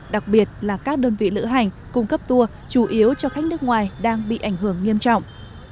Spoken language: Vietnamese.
đặc biệt là các đơn vị lữ hành cung cấp tour chủ yếu cho khách nước ngoài đang bị ảnh hưởng nghiêm trọng